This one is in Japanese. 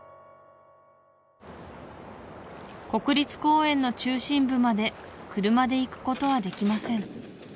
国立公園の中心部まで車で行くことはできません